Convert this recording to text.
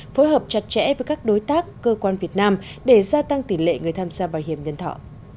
phối hợp chặt chẽ với các đối tác cơ quan việt nam để gia tăng tỷ lệ người tham gia bảo hiểm nhân thọ